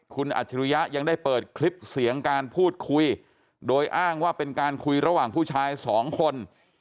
คุณอัจฉริยะยังได้เปิดคลิปเสียงการพูดคุยโดยอ้างว่าเป็นการคุยระหว่างผู้ชายสองคน